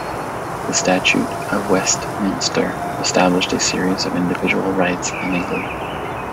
The Statute of Westminster established a series of individuals' rights in England.